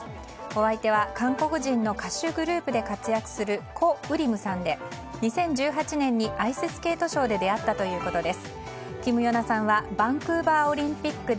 お相手は韓国人の歌手グループで活躍するコ・ウリムさんで２０１８年にアイススケートショーで出会ったということです。